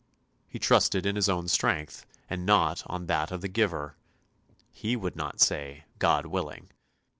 He trusted in his own strength, and not on that of the Giver; he would not say " God willing!